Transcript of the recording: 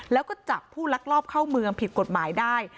แล้วก็จับผู้ลักลอบเข้าเมืองผิดกฎหมายได้